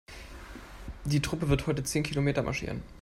Die Truppe wird heute zehn Kilometer marschieren.